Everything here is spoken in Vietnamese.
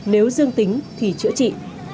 nếu dương tính thì chữa trị